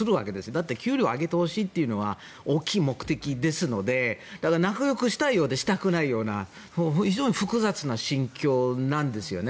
だって給料を上げてほしいというのは大きい目的ですのでだから、仲よくしたいようでしたくないような非常に複雑な心境なんですよね。